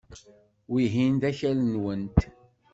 Wihin d akal-nwent.